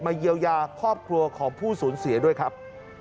เยียวยาครอบครัวของผู้สูญเสียด้วยครับ